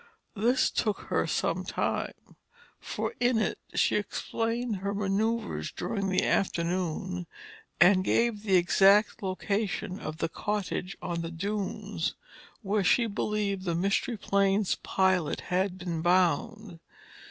This took her some time, for in it she explained her maneuvers during the afternoon, and gave the exact location of the cottage on the dunes, where she believed the Mystery Plane's pilot had been bound.